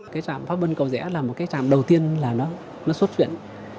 cái trạm pháp vân cầu rẽ là một cái trạm đầu tiên là nó xuất chuyện